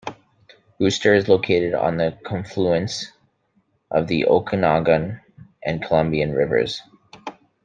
Brewster is located on the confluence of the Okanogan and Columbia Rivers.